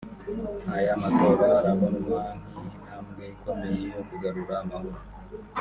Ayo matora arabonwa nk’intambwe ikomeye yo kugarura amahoro